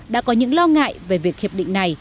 đã có những lo ngại về việc hiệp định này